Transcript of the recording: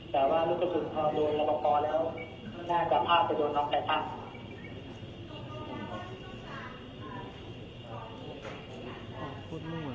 แต่ว่ารู้สึกว่าพอโดนรับปอดแล้วน่ากลับภาพจะโดนร้องไฟตังค์